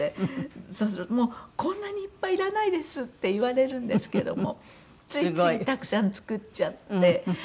そうすると「もうこんなにいっぱいいらないです」って言われるんですけどもついついたくさん作っちゃって。